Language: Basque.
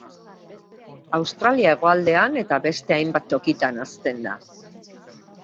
Australia hegoaldean eta beste hainbat tokitan hazten da.